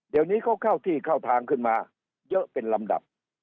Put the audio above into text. เดี๋ยวนี้เขาเข้าที่เข้าทางขึ้นมาเยอะเป็นลำดับ